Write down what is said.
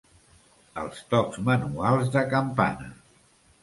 Els tocs manuals de campana.